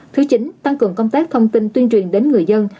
thứ chín tăng cường công tác thông tin tuyên truyền đến người dân